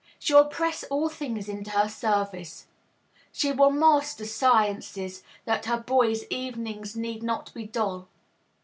She will press all things into her service. She will master sciences, that her boys' evenings need not be dull.